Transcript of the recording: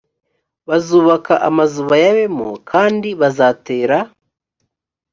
bazubaka amazu bayabemo kandi bazatera